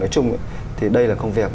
nói chung thì đây là công việc